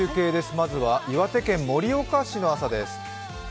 まずは岩手県盛岡市の朝です。